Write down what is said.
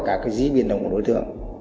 cả cái dĩ biến động của đối tượng